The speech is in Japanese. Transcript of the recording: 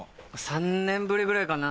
３年ぶりぐらいかな。